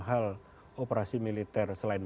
hal operasi militer selain